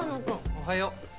おはよう。